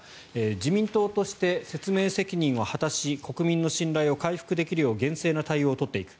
自民党として説明責任を果たし国民の信頼を回復できるよう厳正な対応を取っていく。